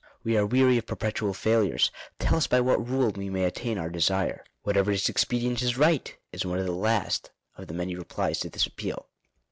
We are weary of perpetual failures ; tell us by what rule we may attain our desire." "Whatever is expedient is right;" is one of the last of the many replies to this appeal.